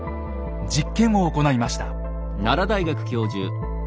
実験を行いました。